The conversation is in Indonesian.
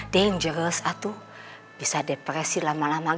bahaya bisa depresi lama lama